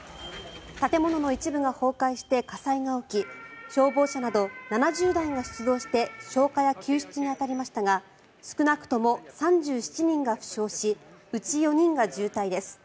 建物の一部が崩壊して火災が起き消防車など７０台が出動して消火や救出に当たりましたが少なくとも３７人が負傷しうち４人が重体です。